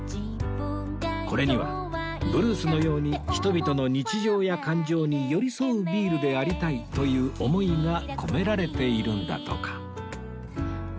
これにはブルースのように人々の日常や感情に寄り添うビールでありたいという思いが込められているんだとか